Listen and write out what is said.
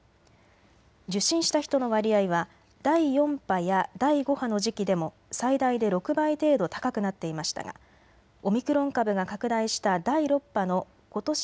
受診した人の割合は第４波や第５波の時期でも最大で６倍程度高くなっていましたがオミクロン株が拡大した第６波のことし